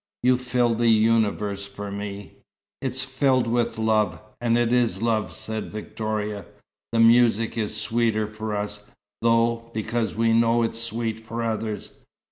You fill the universe for me." "It's filled with love and it is love," said Victoria. "The music is sweeter for us, though, because we know it's sweet for others.